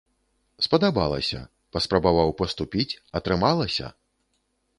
Спадабалася, паспрабаваў паступіць, атрымалася!